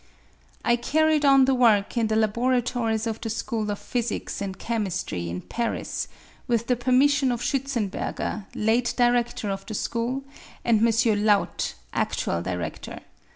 I carried on the work in the laboratories of the School of Physics and Chemistry in Paris with the permission of SchiJtzenberger, late Diredtor of the School, and M. Lauth, adtual Diredtor.